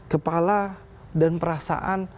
kepala dan perasaan